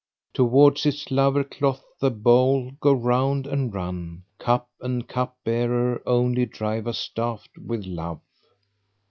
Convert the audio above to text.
Towards its lover doth the bowl go round and run; * Cup[FN#526] and cup bearer only drive us daft with love."